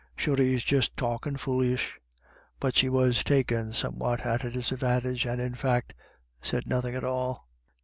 Sure he's just talkin* foolish." But she was taken somewhat at a disadvantage, and in fact said nothing at all.